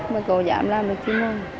mà cậu dám làm được chi mà không